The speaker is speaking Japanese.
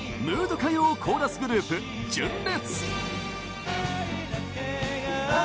歌謡コーラスグループ純烈。